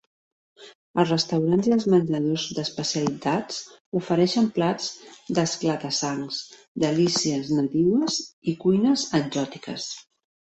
Els restaurants i els menjadors d'especialitats ofereixen plats d'esclata-sangs, delícies nadiues i cuines exòtiques.